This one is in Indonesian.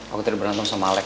aku tidak berantem sama alex